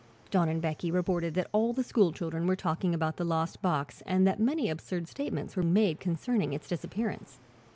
Don and Becky reported that all the school children were talking about the lost box and that many absurd statements were made concerning its disappearance.